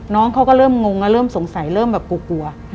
น้องเขาก็เริ่มงงเริ่มสงสัยเริ่มแบบกลัว